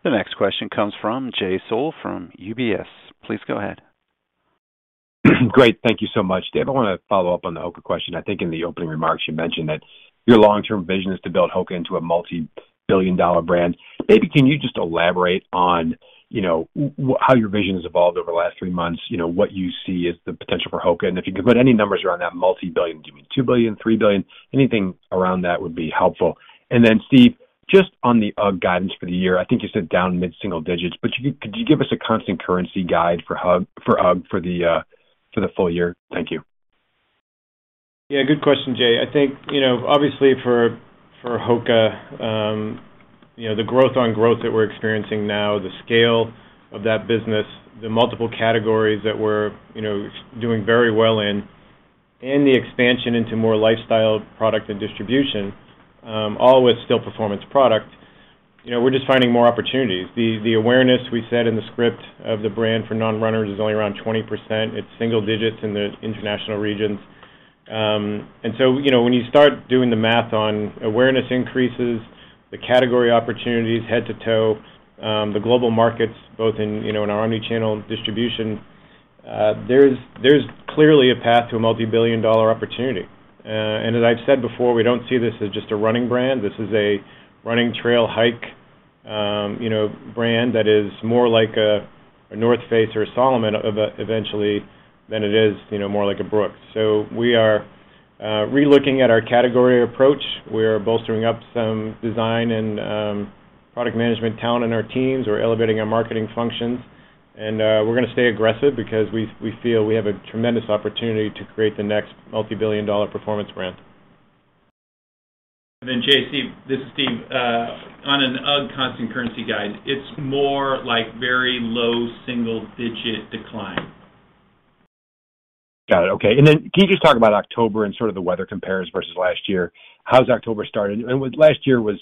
The next question comes from Jay Sole from UBS. Please go ahead. Great. Thank you so much. Dave, I wanna follow up on the HOKA question. I think in the opening remarks, you mentioned that your long-term vision is to build HOKA into a multi-billion-dollar brand. Maybe can you just elaborate on, you know, how your vision has evolved over the last three months, you know, what you see as the potential for HOKA? And if you could put any numbers around that multi-billion, do you mean $2 billion, $3 billion? Anything around that would be helpful. And then, Steve, just on the UGG guidance for the year, I think you said down mid-single digits%, but could you give us a constant currency guide for UGG for the full year? Thank you. Yeah, good question, Jay. I think, you know, obviously for HOKA, the growth-on-growth that we're experiencing now, the scale of that business, the multiple categories that we're, you know, doing very well in, and the expansion into more lifestyle product and distribution, all with still performance product, you know, we're just finding more opportunities. The awareness we said in the script of the brand for non-runners is only around 20%. It's single digits in the international regions. You know, when you start doing the math on awareness increases, the category opportunities head-to-toe, the global markets both in, you know, in our omni-channel distribution, there's clearly a path to a multi-billion-dollar opportunity. As I've said before, we don't see this as just a running brand. This is a running trail hike, you know, brand that is more like a North Face or a Salomon eventually than it is, you know, more like a Brooks. We are relooking at our category approach. We are bolstering up some design and product management talent in our teams. We're elevating our marketing functions, and we're gonna stay aggressive because we feel we have a tremendous opportunity to create the next multi-billion-dollar performance brand. Jay, Steve, this is Steve. On an UGG constant currency guide, it's more like very low single digit decline. Got it. Okay. Can you just talk about October and sort of the weather compares versus last year? How's October started? Last year was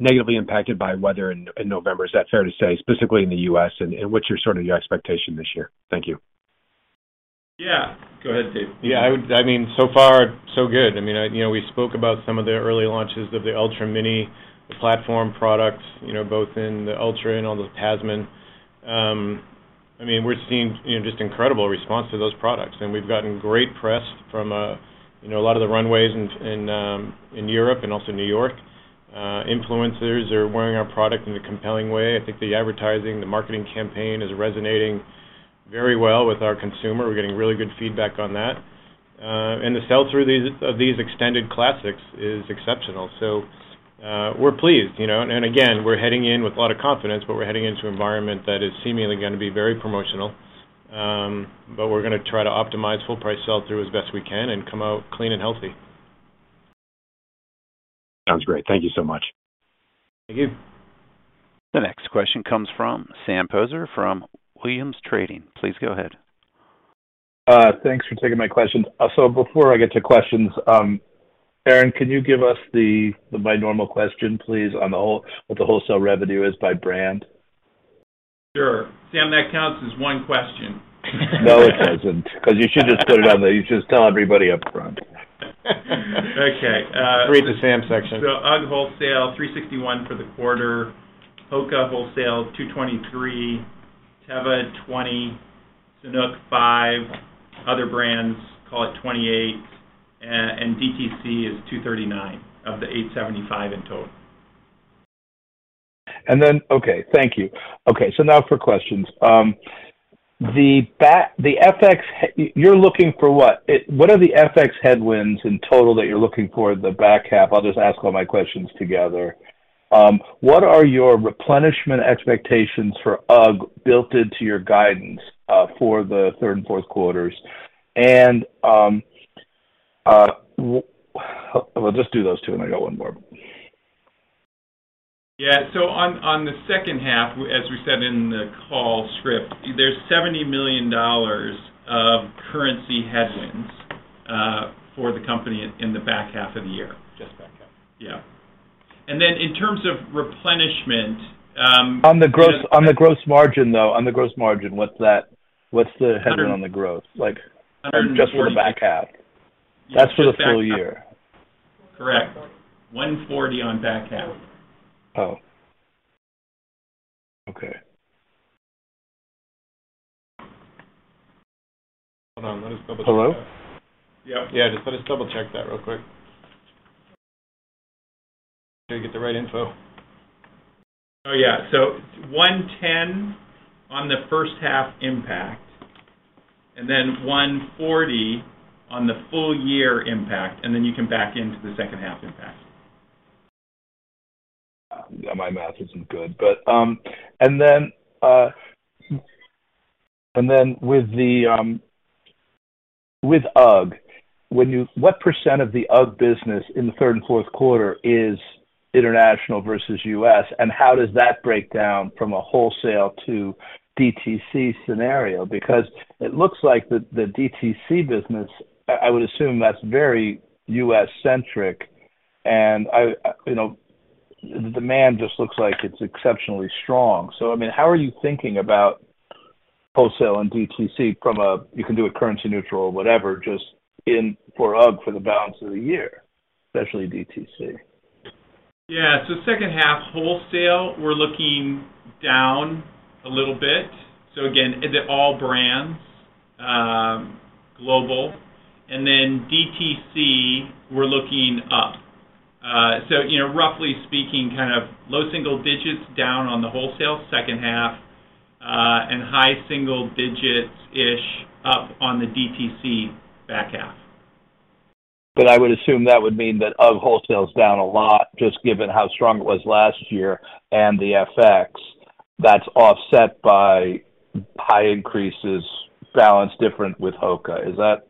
negatively impacted by weather in November. Is that fair to say, specifically in the US? What's your sort of expectation this year? Thank you. Yeah. Go ahead, Dave. Yeah, I would. I mean, so far so good. I mean, you know, we spoke about some of the early launches of the Ultra Mini, the platform products, you know, both in the Ultra and on the Tasman. I mean, we're seeing, you know, just incredible response to those products, and we've gotten great press from, you know, a lot of the runways in Europe and also New York. Influencers are wearing our product in a compelling way. I think the advertising, the marketing campaign is resonating very well with our consumer. We're getting really good feedback on that. And the sell-through of these extended classics is exceptional. So, we're pleased, you know. Again, we're heading in with a lot of confidence, but we're heading into environment that is seemingly gonna be very promotional. We're gonna try to optimize full price sell-through as best we can and come out clean and healthy. Sounds great. Thank you so much. Thank you. The next question comes from Sam Poser from Williams Trading. Please go ahead. Thanks for taking my question. Before I get to questions, Erinn, can you give us the normal question, please, on the whole, what the wholesale revenue is by brand? Sure. Sam, that counts as one question. No, it doesn't, 'cause you should just tell everybody up front. Okay. Read the Sam section. UGG wholesale $361 for the quarter. HOKA wholesale $223. Teva $20. Sanuk $5. Other brands call it $28. And DTC is $239 of the $875 in total. Okay. Thank you. Okay. So now for questions. You're looking for what? What are the FX headwinds in total that you're looking for in the back half? I'll just ask all my questions together. What are your replenishment expectations for UGG built into your guidance for the Q3 and Q4? Well, just do those two, and I got one more. On the second half, as we said in the call script, there's $70 million of currency headwinds for the company in the back half of the year. Just back half. Yeah. In terms of replenishment. On the gross margin, though, what's that? What's the header on the gross? Like- 140. Just for the back half. That's for the full year. Correct. $140 on back half. Oh. Okay. Hold on. Let us double-check. Hello? Yep. Yeah, just let us double-check that real quick. Make sure we get the right info. Oh, yeah. $110 on the first half impact, and then $140 on the full year impact, and then you can back into the second half impact. Yeah. My math isn't good, but then with UGG, what % of the UGG business in the third and Q4 is international versus U.S., and how does that break down from a wholesale to DTC scenario? Because it looks like the DTC business, I would assume that's very US-centric, and you know, the demand just looks like it's exceptionally strong. I mean, how are you thinking about wholesale and DTC from a you can do it currency neutral, whatever, just in for UGG for the balance of the year, especially DTC? Yeah. Second half wholesale, we're looking down a little bit. Again, overall brands global. DTC, we're looking up. You know, roughly speaking, kind of low single digits down on the wholesale second half, and high single digits-ish up on the DTC back half. I would assume that would mean that UGG wholesale's down a lot just given how strong it was last year and the FX that's offset by high increases balanced differently with HOKA. Is that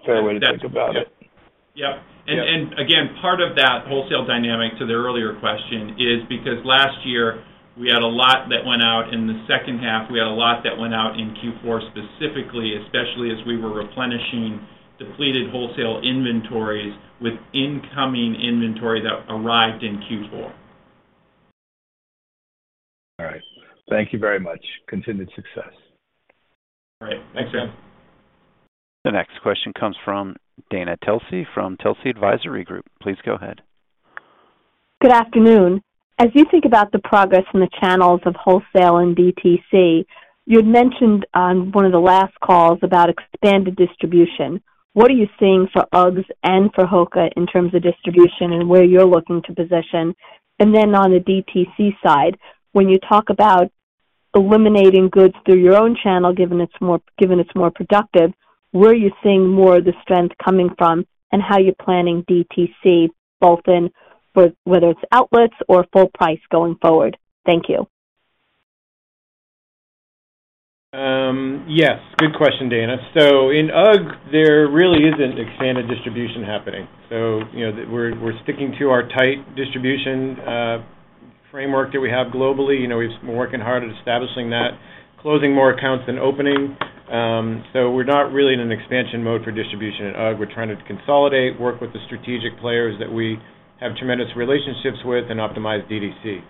a fair way to think about it? That's it. Yep. Yeah. Again, part of that wholesale dynamic to the earlier question is because last year we had a lot that went out in the second half. We had a lot that went out in Q4 specifically, especially as we were replenishing depleted wholesale inventories with incoming inventory that arrived in Q4. All right. Thank you very much. Continued success. All right. Thanks, Sam. The next question comes from Dana Telsey from Telsey Advisory Group. Please go ahead. Good afternoon. As you think about the progress in the channels of wholesale and DTC, you had mentioned on one of the last calls about expanded distribution. What are you seeing for UGGs and for HOKA in terms of distribution and where you're looking to position? On the DTC side, when you talk about eliminating goods through your own channel, given it's more productive, where are you seeing more of the strength coming from and how you're planning DTC, whether it's outlets or full price going forward? Thank you. Yes, good question, Dana. In UGG, there really isn't expanded distribution happening. We're sticking to our tight distribution framework that we have globally. We've been working hard at establishing that, closing more accounts than opening. We're not really in an expansion mode for distribution at UGG. We're trying to consolidate, work with the strategic players that we have tremendous relationships with and optimize DTC.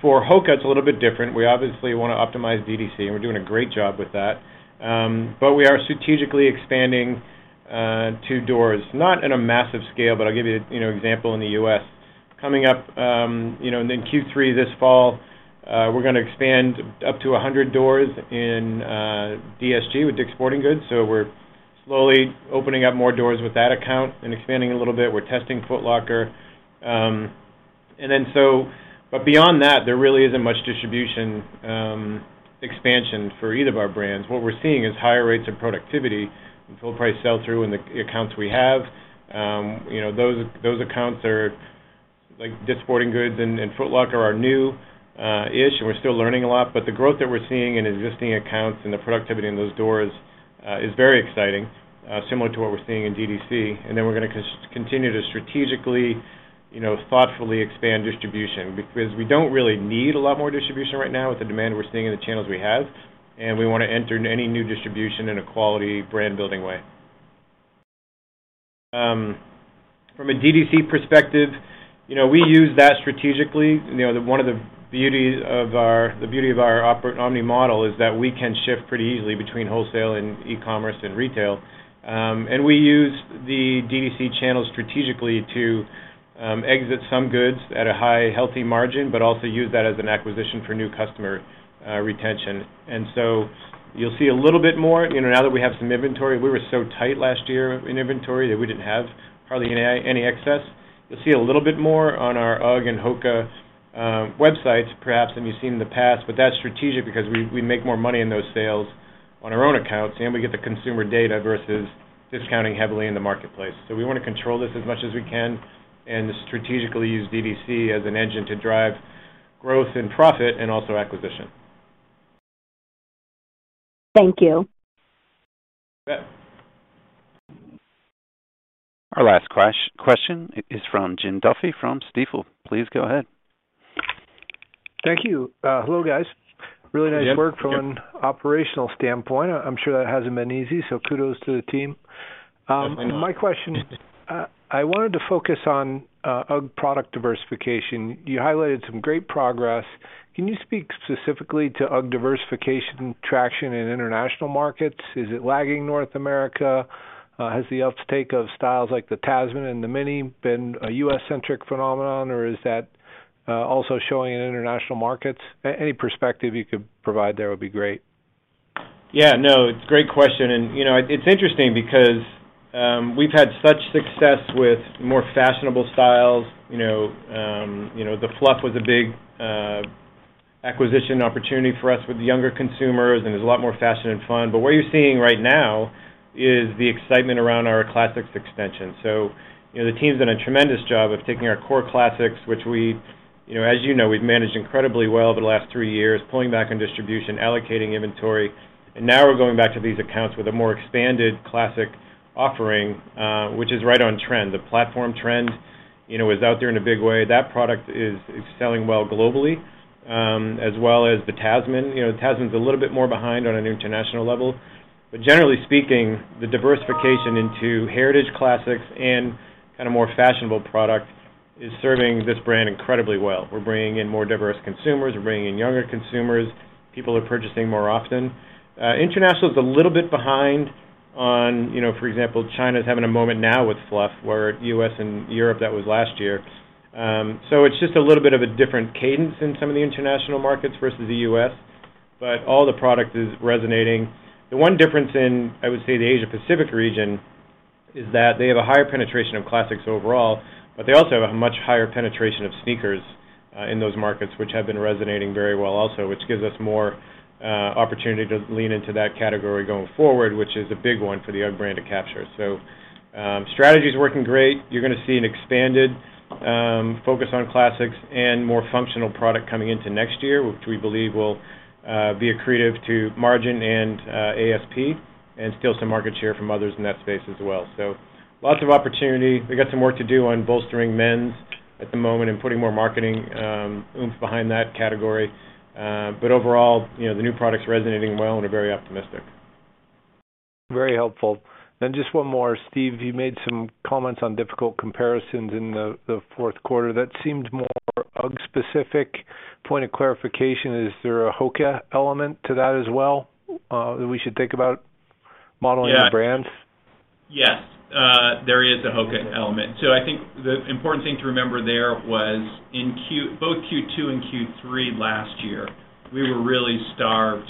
For HOKA, it's a little bit different. We obviously wanna optimize DTC, and we're doing a great job with that. We are strategically expanding to doors. Not on a massive scale, but I'll give you example in the US. Coming up in Q3 this fall, we're gonna expand up to 100 doors in DSG with Dick's Sporting Goods. We're slowly opening up more doors with that account and expanding a little bit. We're testing Foot Locker. Beyond that, there really isn't much distribution expansion for either of our brands. What we're seeing is higher rates of productivity and full price sell-through in the accounts we have. You know, those accounts are like Dick's Sporting Goods and Foot Locker are new ish, and we're still learning a lot. The growth that we're seeing in existing accounts and the productivity in those doors is very exciting, similar to what we're seeing in DTC. We're gonna continue to strategically, you know, thoughtfully expand distribution because we don't really need a lot more distribution right now with the demand we're seeing in the channels we have. We wanna enter any new distribution in a quality brand-building way. From a DTC perspective, you know, we use that strategically. You know, one of the beauty of our omni model is that we can shift pretty easily between wholesale and e-commerce and retail. We use the DTC channel strategically to exit some goods at a high, healthy margin, but also use that as an acquisition for new customer retention. You'll see a little bit more, you know, now that we have some inventory. We were so tight last year in inventory that we didn't have hardly any excess. You'll see a little bit more on our UGG and HOKA websites perhaps than you've seen in the past, but that's strategic because we make more money in those sales on our own accounts and we get the consumer data versus discounting heavily in the marketplace. We wanna control this as much as we can and strategically use DTC as an engine to drive growth and profit and also acquisition. Thank you. You bet. Our last question is from Jim Duffy from Stifel. Please go ahead. Thank you. Hello, guys. Really nice. Hi, Jim. Work from an operational standpoint. I'm sure that hasn't been easy, so kudos to the team. Definitely not. My question, I wanted to focus on UGG product diversification. You highlighted some great progress. Can you speak specifically to UGG diversification traction in international markets? Is it lagging North America? Has the uptake of styles like the Tasman and the Mini been a US-centric phenomenon, or is that also showing in international markets? Any perspective you could provide there would be great. Yeah, no, it's a great question. You know, it's interesting because we've had such success with more fashionable styles. You know, the Fluff was a big acquisition opportunity for us with younger consumers, and it's a lot more fashion and fun. What you're seeing right now is the excitement around our classics extension. You know, the team's done a tremendous job of taking our core classics, which we, you know, as you know, we've managed incredibly well over the last three years, pulling back on distribution, allocating inventory. Now we're going back to these accounts with a more expanded classic offering, which is right on trend. The platform trend, you know, is out there in a big way. That product is selling well globally, as well as the Tasman. You know, the Tasman is a little bit more behind on an international level. Generally speaking, the diversification into heritage classics and kind of more fashionable product is serving this brand incredibly well. We're bringing in more diverse consumers. We're bringing in younger consumers. People are purchasing more often. International is a little bit behind. You know, for example, China is having a moment now with Fluff, where U.S. and Europe, that was last year. It's just a little bit of a different cadence in some of the international markets versus the U.S., but all the product is resonating. The one difference in, I would say, the Asia Pacific region is that they have a higher penetration of classics overall, but they also have a much higher penetration of sneakers in those markets, which have been resonating very well also, which gives us more opportunity to lean into that category going forward, which is a big one for the UGG brand to capture. Strategy's working great. You're gonna see an expanded focus on classics and more functional product coming into next year, which we believe will be accretive to margin and ASP and steal some market share from others in that space as well. Lots of opportunity. We got some work to do on bolstering men's at the moment and putting more marketing oomph behind that category. Overall, you know, the new product's resonating well and are very optimistic. Very helpful. Just one more. Steve, you made some comments on difficult comparisons in the Q4. That seemed more UGG-specific. Point of clarification, is there a HOKA element to that as well, that we should think about modeling the brands? Yes. Yes. There is a HOKA element. I think the important thing to remember there was in Q2 and Q3 last year, we were really starved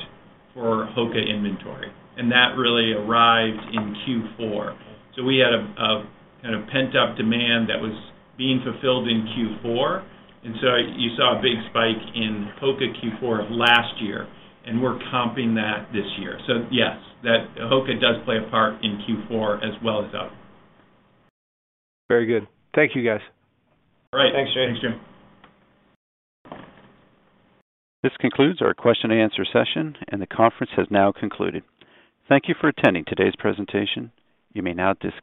for HOKA inventory, and that really arrived in Q4. We had a kind of pent-up demand that was being fulfilled in Q4. You saw a big spike in HOKA Q4 of last year, and we're comping that this year. Yes, that HOKA does play a part in Q4 as well as UGG. Very good. Thank you, guys. All right. Thanks, Jim. Thanks, Jim. This concludes our question-and-answer session, and the conference has now concluded. Thank you for attending today's presentation. You may now disconnect.